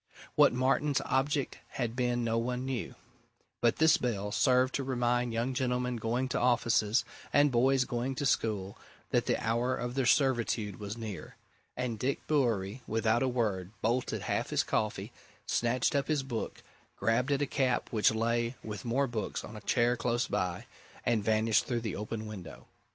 What Martin's object had been no one now knew but this bell served to remind young gentlemen going to offices, and boys going to school, that the hour of their servitude was near. And Dick Bewery, without a word, bolted half his coffee, snatched up his book, grabbed at a cap which lay with more books on a chair close by, and vanished through the open window.